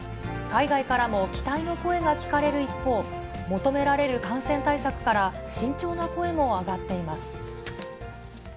海外からも期待の声が聞かれる一方、求められる感染対策から、慎重な声も上がっています。